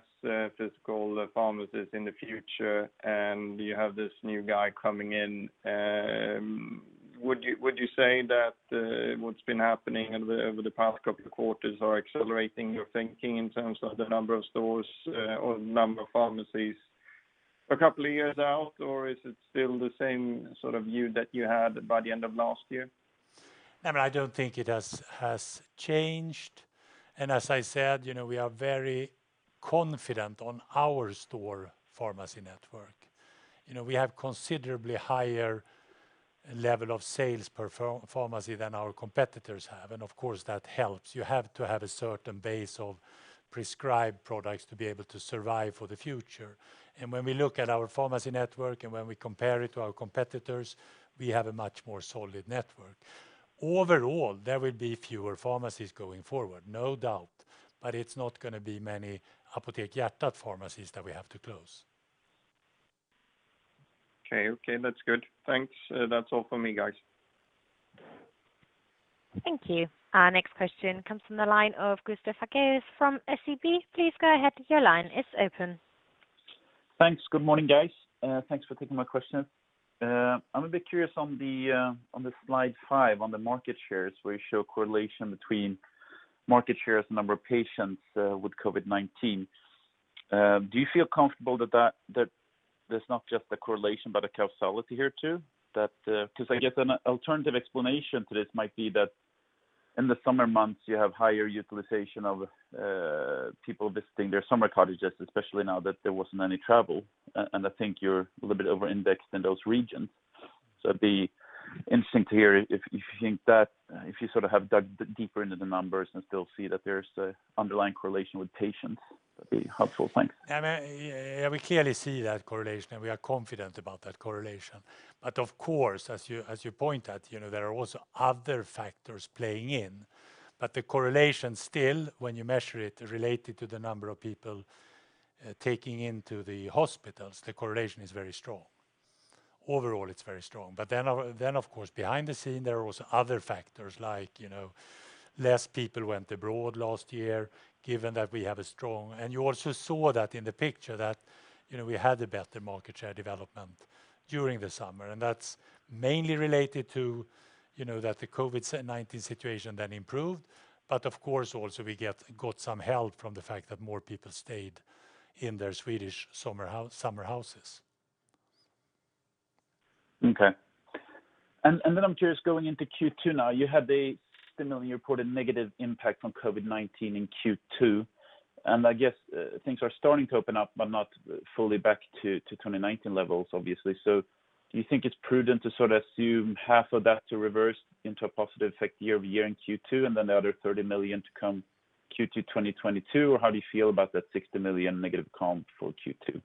physical pharmacies in the future, and you have this new guy coming in. Would you say that what's been happening over the past couple of quarters are accelerating your thinking in terms of the number of stores or number of pharmacies a couple of years out, or is it still the same view that you had by the end of last year? I don't think it has changed, and as I said, we are very confident on our store pharmacy network. We have considerably higher level of sales per pharmacy than our competitors have, and of course, that helps. You have to have a certain base of prescribed products to be able to survive for the future. When we look at our pharmacy network and when we compare it to our competitors, we have a much more solid network. Overall, there will be fewer pharmacies going forward. No doubt, but it's not going to be many Apotek Hjärtat pharmacies that we have to close. Okay. That's good. Thanks. That's all for me, guys. Thank you. Our next question comes from the line of Gustav Hagéus from SEB. Please go ahead. Your line is open. Thanks. Good morning, guys. Thanks for taking my question. I'm a bit curious on the slide five, on the market shares, where you show correlation between market shares and number of patients with COVID-19. Do you feel comfortable that there's not just a correlation but a causality here too? I guess an alternative explanation to this might be that in the summer months you have higher utilization of people visiting their summer cottages, especially now that there wasn't any travel. I think you're a little bit over-indexed in those regions. It'd be interesting to hear if you have dug deeper into the numbers and still see that there's a underlying correlation with patients. That'd be helpful. Thanks. Yeah. We clearly see that correlation, we are confident about that correlation. Of course, as you pointed out, there are also other factors playing in. The correlation still, when you measure it related to the number of people taking into the hospitals, the correlation is very strong. Overall, it's very strong. Of course, behind the scene, there are also other factors like less people went abroad last year. You also saw that in the picture that we had a better market share development during the summer, that's mainly related to that the COVID-19 situation then improved. Of course, also we got some help from the fact that more people stayed in their Swedish summer houses. Okay. I'm curious, going into Q2 now, you had the SEK 60 million you reported negative impact from COVID-19 in Q2. I guess things are starting to open up, but not fully back to 2019 levels, obviously. Do you think it's prudent to assume half of that to reverse into a positive effect year-over-year in Q2, the other 30 million to come Q2 2022? How do you feel about that 60 million negative comp for Q2?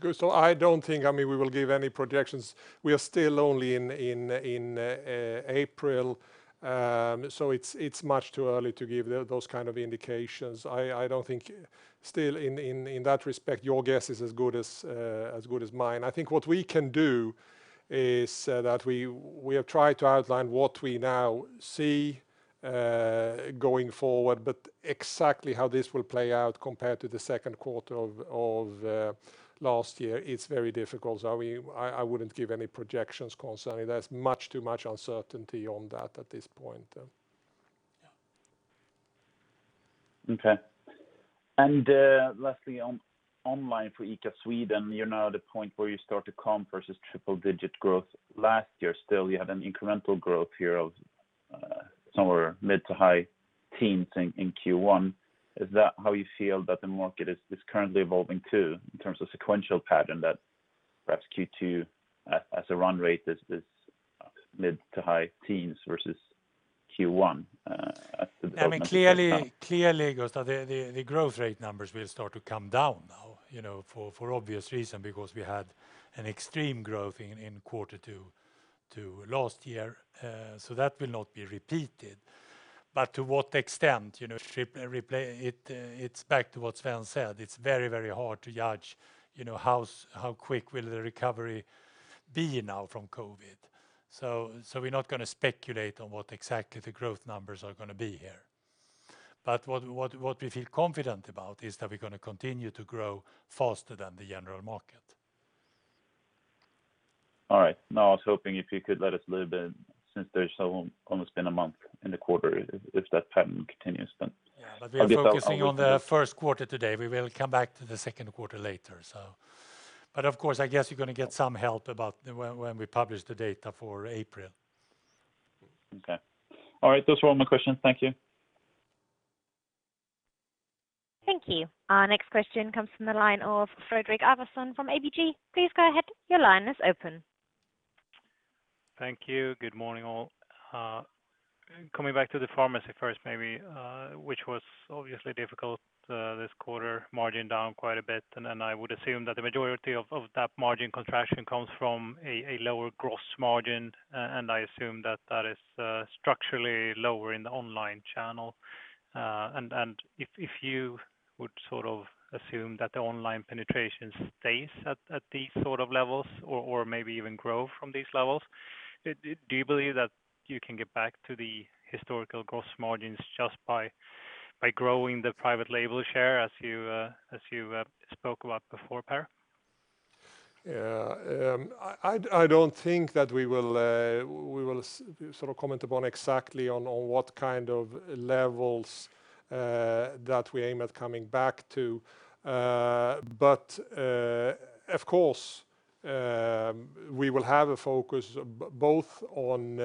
Gustav, I don't think we will give any projections. We are still only in April. It's much too early to give those kind of indications. I don't think still in that respect, your guess is as good as mine. I think what we can do is that we have tried to outline what we now see going forward, but exactly how this will play out compared to the second quarter of last year, it's very difficult. I wouldn't give any projections concerning. There's much too much uncertainty on that at this point. Okay. Lastly, on online for ICA Sweden, you're now at the point where you start to comp versus triple-digit growth last year. Still, you had an incremental growth here of somewhere mid to high teens in Q1. Is that how you feel that the market is currently evolving too, in terms of sequential pattern that perhaps Q2 as a run rate is mid to high teens versus Q1? Clearly, Gustav, the growth rate numbers will start to come down now for obvious reason, because we had an extreme growth in quarter two last year. That will not be repeated. To what extent? It's back to what Sven said, it's very hard to judge how quick will the recovery be now from COVID. We're not going to speculate on what exactly the growth numbers are going to be here. What we feel confident about is that we're going to continue to grow faster than the general market. All right. No, I was hoping if you could let us a little bit, since there's almost been a month in the quarter, if that pattern continues. Yeah. We're focusing on the first quarter today. We will come back to the second quarter later. Of course, I guess you're going to get some help about when we publish the data for April. Okay. All right. Those were all my questions. Thank you. Thank you. Our next question comes from the line of Fredrik Ivarsson from ABG. Please go ahead. Your line is open. Thank you. Good morning, all. Coming back to the pharmacy first, maybe, which was obviously difficult this quarter, margin down quite a bit. I would assume that the majority of that margin contraction comes from a lower gross margin. I assume that is structurally lower in the online channel. If you would assume that the online penetration stays at these sort of levels or maybe even grow from these levels, do you believe that you can get back to the historical gross margins just by growing the private label share as you spoke about before, Per? I don't think that we will comment upon exactly on what kind of levels that we aim at coming back to. Of course, we will have a focus both on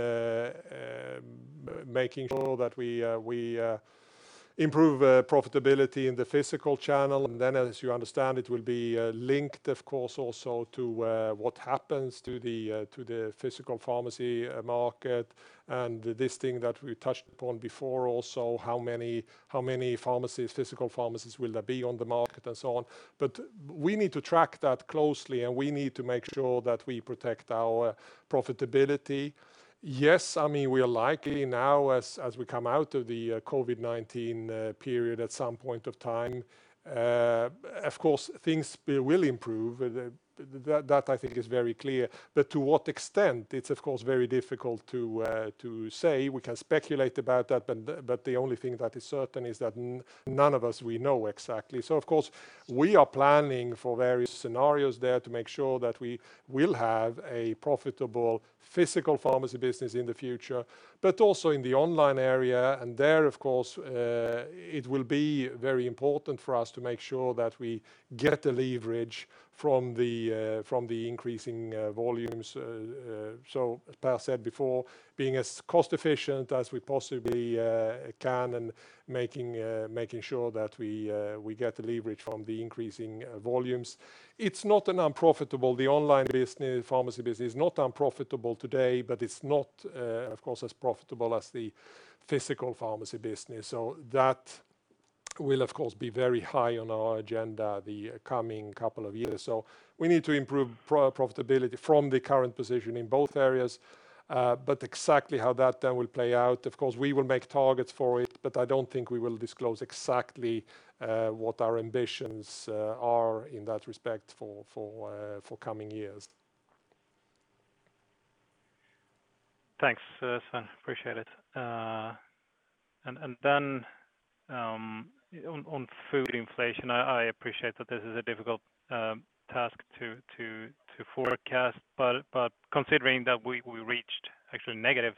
making sure that we improve profitability in the physical channel. As you understand, it will be linked of course also to what happens to the physical pharmacy market and this thing that we touched upon before also, how many physical pharmacies will there be on the market and so on. We need to track that closely, and we need to make sure that we protect our profitability. Yes, we are likely now as we come out of the COVID-19 period at some point of time, of course, things will improve. That I think is very clear. To what extent? It's of course very difficult to say. We can speculate about that, but the only thing that is certain is that none of us we know exactly. Of course, we are planning for various scenarios there to make sure that we will have a profitable physical pharmacy business in the future, but also in the online area. There, of course, it will be very important for us to make sure that we get the leverage from the increasing volumes. As Per said before, being as cost-efficient as we possibly can and making sure that we get the leverage from the increasing volumes. The online pharmacy business is not unprofitable today, but it's not, of course, as profitable as the physical pharmacy business. That will, of course, be very high on our agenda the coming couple of years. We need to improve profitability from the current position in both areas. Exactly how that then will play out, of course, we will make targets for it, but I don't think we will disclose exactly what our ambitions are in that respect for coming years. Thanks, Sven. Appreciate it. On food inflation, I appreciate that this is a difficult task to forecast, but considering that we reached actually negative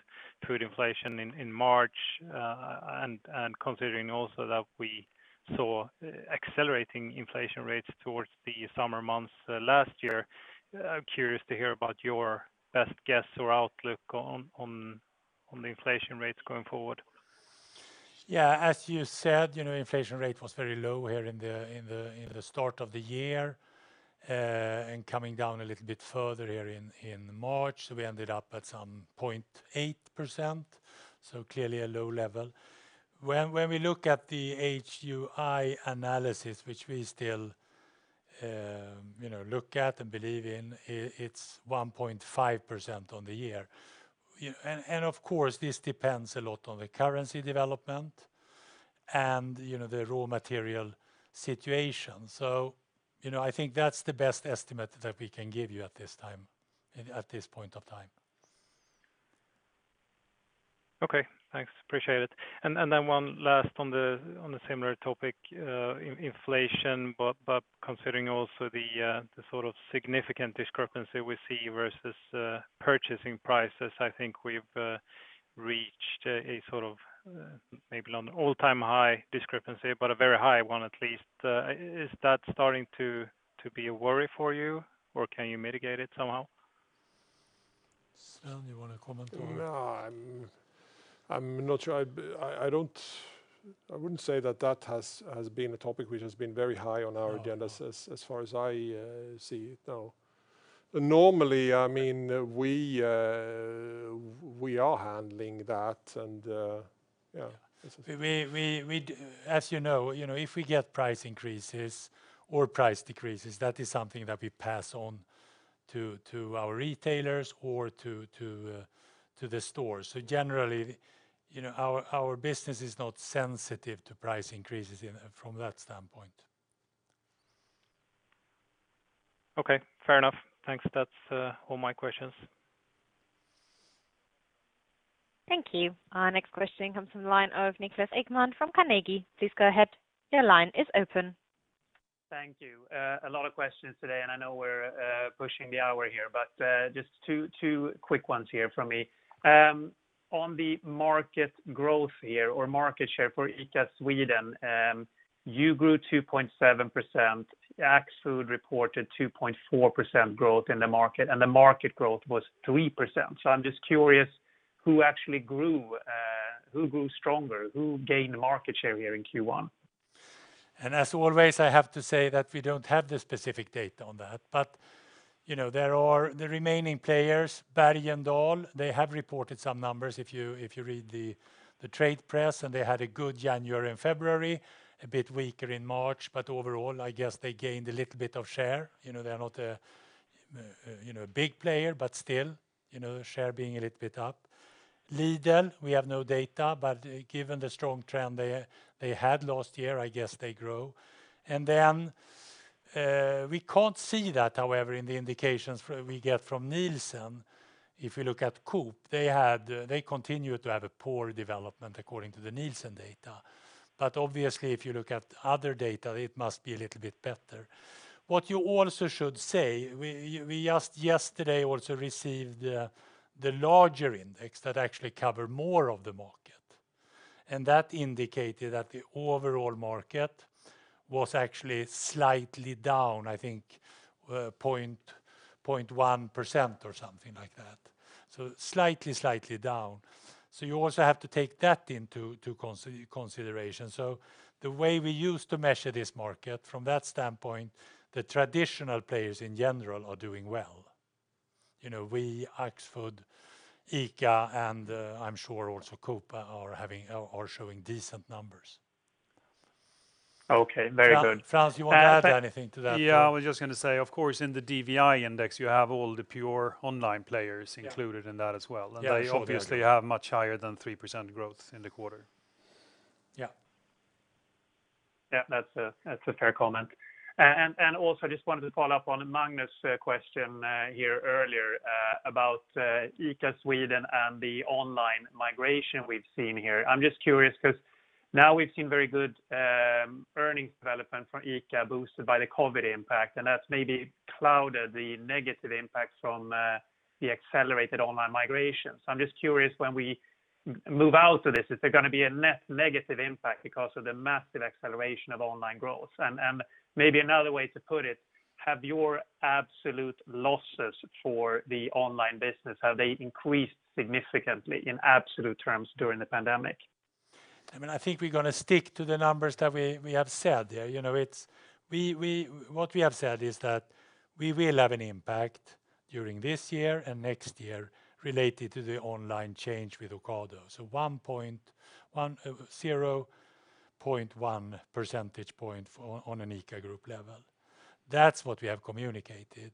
food inflation in March, and considering also that we saw accelerating inflation rates towards the summer months last year, I am curious to hear about your best guess or outlook on the inflation rates going forward. Yeah. As you said, inflation rate was very low here in the start of the year, and coming down a little bit further here in March. We ended up at some 0.8%, so clearly a low level. When we look at the HUI analysis, which we still look at and believe in, it's 1.5% on the year. Of course, this depends a lot on the currency development and the raw material situation. I think that's the best estimate that we can give you at this point of time. Okay, thanks. Appreciate it. One last on the similar topic, inflation, but considering also the sort of significant discrepancy we see versus purchasing prices. I think we've reached a sort of maybe not an all-time high discrepancy, but a very high one at least. Is that starting to be a worry for you, or can you mitigate it somehow? Sven, you want to comment on it? No, I'm not sure. I wouldn't say that that has been a topic which has been very high. Agendas as far as I see it, no. Normally, we are handling that and yeah. As you know, if we get price increases or price decreases, that is something that we pass on to our retailers or to the stores. Generally, our business is not sensitive to price increases from that standpoint. Okay. Fair enough. Thanks. That's all my questions. Thank you. Our next question comes from the line of Niklas Ekman from Carnegie. Please go ahead. Your line is open. Thank you. A lot of questions today, and I know we're pushing the hour here, but just two quick ones here from me. On the market growth here or market share for ICA Sweden, you grew 2.7%. Axfood reported 2.4% growth in the market, and the market growth was 3%. I'm just curious who actually grew stronger, who gained market share here in Q1? As always, I have to say that we don't have the specific data on that. There are the remaining players, Bergendahls, they have reported some numbers if you read the trade press, and they had a good January and February, a bit weaker in March, but overall, I guess they gained a little bit of share. They're not a big player, still, share being a little bit up. Lidl, we have no data, given the strong trend they had last year, I guess they grow. We can't see that, however, in the indications we get from Nielsen. If we look at Coop, they continue to have a poor development according to the Nielsen data. Obviously, if you look at other data, it must be a little bit better. What you also should say, we just yesterday also received the larger index that actually covered more of the market. That indicated that the overall market was actually slightly down, I think, 0.1% or something like that. Slightly down. You also have to take that into consideration. The way we used to measure this market from that standpoint, the traditional players in general are doing well. We, Axfood, ICA, and I'm sure also Coop are showing decent numbers. Okay. Very good. Frans, you want to add anything to that? Yeah. I was just going to say, of course, in the DVI index, you have all the pure online players included in that as well. Yeah. They obviously have much higher than 3% growth in the quarter. Yeah. Yeah. That's a fair comment. Also, I just wanted to follow up on Magnus' question here earlier, about ICA Sweden and the online migration we've seen here. I'm just curious because now we've seen very good earnings development from ICA boosted by the COVID impact, and that's maybe clouded the negative impact from the accelerated online migration. I'm just curious when we move out of this, is there going to be a net negative impact because of the massive acceleration of online growth? Maybe another way to put it, have your absolute losses for the online business, have they increased significantly in absolute terms during the pandemic? I think we're going to stick to the numbers that we have said there. What we have said is that we will have an impact during this year and next year related to the online change with Ocado. 0.1 percentage point on an ICA group level. That's what we have communicated.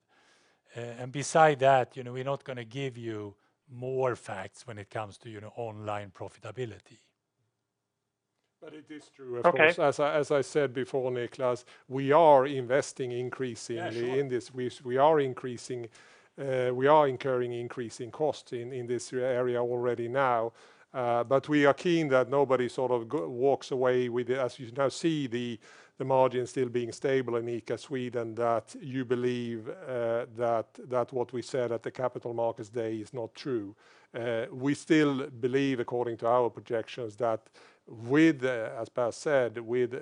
Beside that, we're not going to give you more facts when it comes to online profitability. It is true, of course. Okay. As I said before, Niklas, we are investing increasingly in this. Yeah, sure. We are incurring increasing costs in this area already now. We are keen that nobody sort of walks away with, as you now see, the margin still being stable in ICA Sweden, that you believe that what we said at the Capital Markets Day is not true. We still believe according to our projections that with, as Per said, with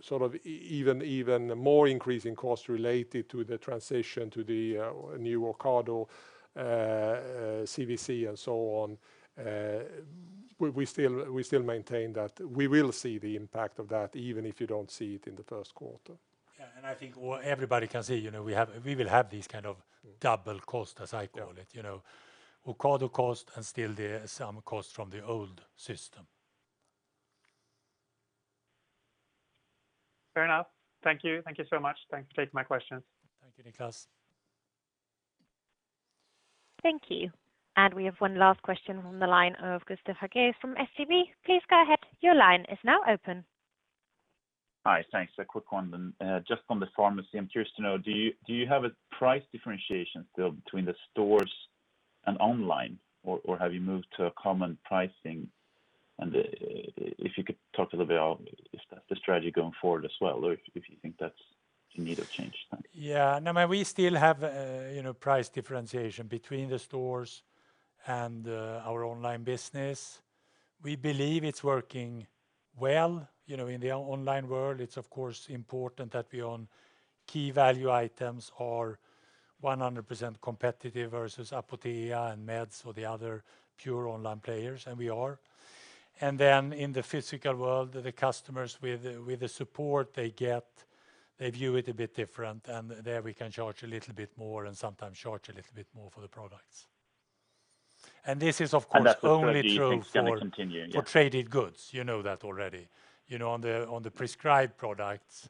sort of even more increasing costs related to the transition to the new Ocado, [CBC] and so on, we still maintain that we will see the impact of that even if you don't see it in the first quarter. Yeah. I think what everybody can see, we will have these kind of double costs, as I call it. Ocado cost and still some cost from the old system. Fair enough. Thank you so much. Thanks for taking my questions. Thank you, Niklas. Thank you. We have one last question from the line of Gustav Hagéus from SEB. Please go ahead. Your line is now open. Hi. Thanks. A quick one. Just on [pharmacy], I'm curious to know, do you have a price differentiation still between the stores and online, or have you moved to a common pricing? If you could talk a little bit on the strategy going forward as well, or if you think that's in need of change. Thanks. Yeah. No, we still have price differentiation between the stores and our online business. We believe it's working well. In the online world, it's of course important that we own key value items or 100% competitive versus Apotek Hjärtat and Meds or the other pure online players, and we are. In the physical world, the customers with the support they get, they view it a bit different, and there we can charge a little bit more and sometimes charge a little bit more for the products. That's the strategy you think is going to continue, yes? For traded goods. You know that already. On the prescribed products,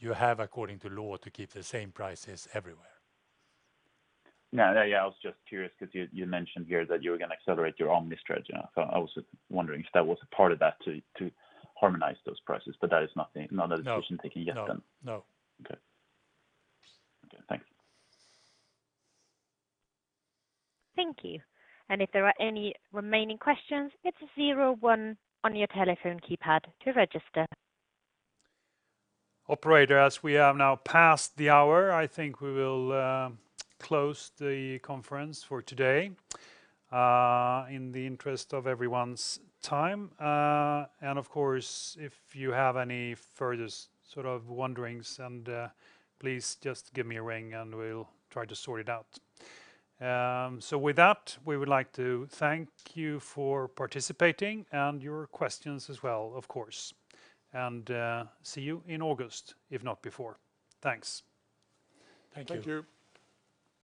you have, according to law, to keep the same prices everywhere. Yeah. I was just curious because you mentioned here that you were going to accelerate your omni strategy. I was wondering if that was a part of that to harmonize those prices, that is not a decision taken yet then? No. Okay. Thanks. Thank you. If there are any remaining questions, it's zero one on your telephone keypad to register. Operator, as we have now passed the hour, I think we will close the conference for today in the interest of everyone's time. Of course, if you have any further sort of wonderings and please just give me a ring and we'll try to sort it out. With that, we would like to thank you for participating and your questions as well, of course. See you in August, if not before. Thanks. Thank you. Thank you.